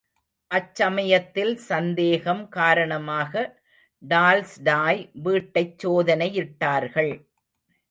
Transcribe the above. அச்சமயத்தில் சந்தேகம் காரணமாக டால்ஸ்டாய் வீட்டைச் சோதனையிட்டார்கள்.